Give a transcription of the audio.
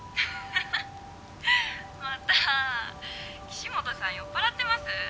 岸本さん酔っ払ってます？